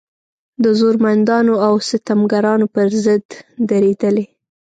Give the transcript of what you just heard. د زورمندانو او ستمګرانو په ضد درېدلې.